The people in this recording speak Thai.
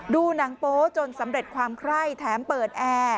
ดูหนังโป๊จนสำเร็จความไคร้แถมเปิดแอร์